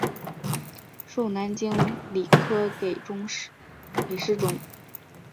授南京礼科给事中。